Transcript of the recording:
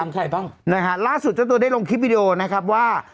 ใครบ้างนะฮะล่าสุดเจ้าตัวได้ลงคลิปวิดีโอนะครับว่า